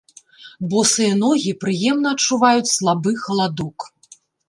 Босыя ногі прыемна адчуваюць слабы халадок.